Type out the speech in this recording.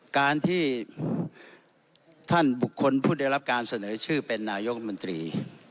การที่ท่านบุคคลผู้ได้รับการเสนอชื่อเป็นนายกรัฐมนตรี